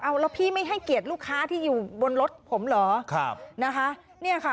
แล้วพี่ไม่ให้เกลียดลูกค้าที่อยู่บนรถผมเหรอ